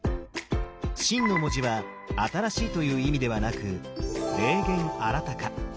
「新」の文字は「新しい」という意味ではなく「霊験新たか」。